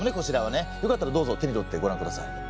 よかったらどうぞ手に取ってご覧ください。